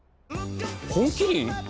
「本麒麟」